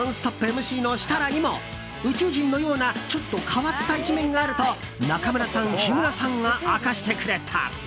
ＭＣの設楽にも宇宙人のようなちょっと変わった一面があると中村さん、日村さんが明かしてくれた。